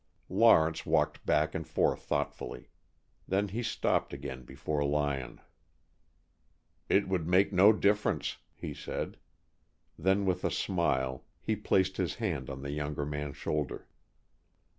Lawrence walked back and forth thoughtfully. Then he stopped again before Lyon. "It would make no difference," he said. Then with a smile he placed his hand on the younger man's shoulder.